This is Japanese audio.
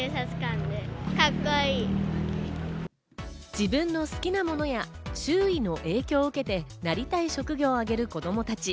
自分の好きなものや、周囲の影響を受けて、なりたい職業をあげる子供たち。